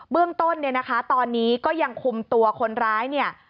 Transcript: เรื่องต้นเนี่ยนะคะตอนนี้ก็ยังคุมตัวคนร้ายเนี่ย